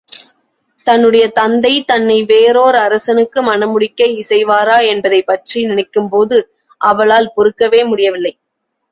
தன்னுடைய தந்தை தன்னை வேறோர் அரசனுக்கு மணமுடிக்க இசைவாரா என்பதைப் பற்றி நினைக்கும்போது, அவளால் பொறுக்கவே முடியவில்லை.